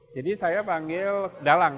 jadi saya panggil dalang